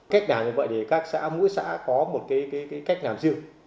cách làm như vậy thì các xã mỗi xã có một cái cách làm riêng